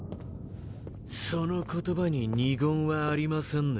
その言葉に二言はありませんね？